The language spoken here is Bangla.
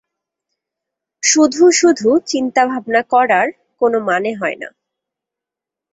শুধু শুধু চিন্তা ভাবনা করার কোনো মানে হয় না।